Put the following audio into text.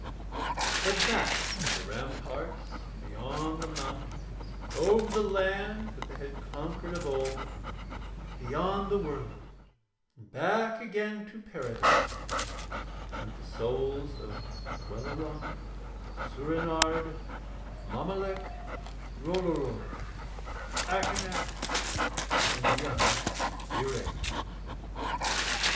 But back from the ramparts and beyond the mountains and over the lands that they had conquered of old, beyond the world and back again to Paradise, went the souls of Welleran, Soorenard, Mommolek, Rollory, Akanax, and young Iraine.